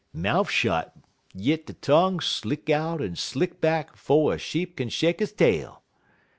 Mouf shot, yit de tongue slick out en slick back 'fo' a sheep kin shake he tail.